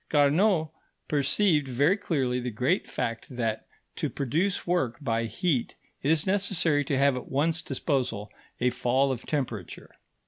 Carnot perceived very clearly the great fact that, to produce work by heat, it is necessary to have at one's disposal a fall of temperature.